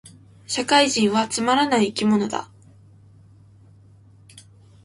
社会人はつまらない生き物だ